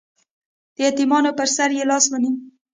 د یتیمانو په سر یې لاس ونیو